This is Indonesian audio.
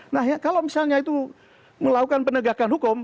nah kalau misalnya itu melakukan penegakan hukum